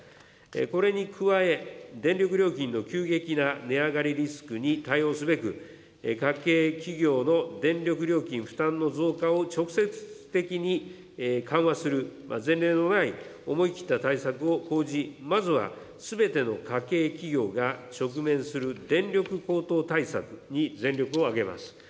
これに加え、電力料金の急激な値上がりリスクに対応すべく、家計、企業の電力料金負担の増加を直接的に緩和する前例のない思い切った対策を講じ、まずはすべての家計、企業が直面する電力高騰対策に全力を挙げます。